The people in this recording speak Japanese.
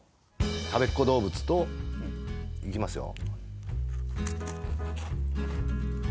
たべっ子どうぶつといきますよ